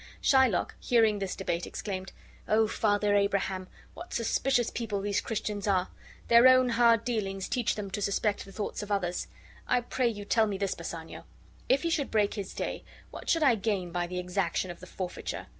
Shylock, hearing this debate, exclaimed: "O Father Abraham, what suspicious people these Christians are! Their own hard dealings teach them to suspect the thoughts of others. I pray you tell me this, Bassanio: if he should break his day, what should I gain by the exaction of the forfeiture?